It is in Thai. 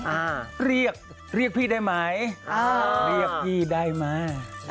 ฮะเรียกพี่ได้ไหมเรียกพี่ได้มา